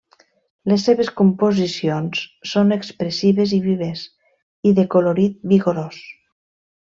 Les seves composicions són expressives i vives, i de colorit vigorós.